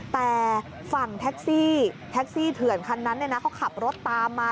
แต่ฝั่งแท็กซี่แท็กซี่เถื่อนคันนั้นเขาขับรถตามมา